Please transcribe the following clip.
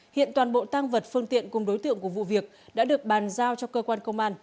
hiện toàn bộ tăng vật phương tiện cùng đối tượng của vụ việc đã được bàn giao cho cơ quan công an